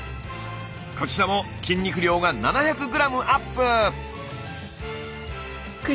こちらも筋肉量が７００ｇアップ！